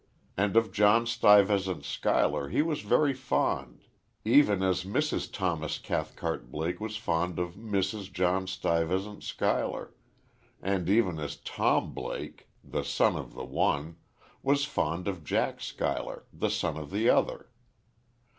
And of John Stuyvesant Schuyler he was very fond even as Mrs. Thomas Cathcart Blake was fond of Mrs. John Stuyvesant Schuyler; and even as Tom Blake, the son of the one, was fond of Jack Schuyler, the son of the other.